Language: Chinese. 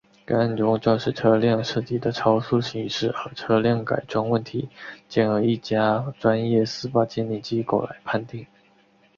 该案中肇事车辆涉及的超速行驶和车辆改装问题将由一家专业司法鉴定机构来判定。